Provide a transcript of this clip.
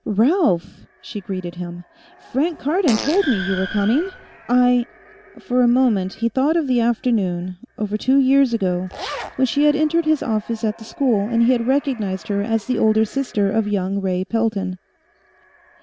"Ralph!" she greeted him. "Frank Cardon told me you were coming. I " For a moment, he thought of the afternoon, over two years ago, when she had entered his office at the school, and he had recognized her as the older sister of young Ray Pelton.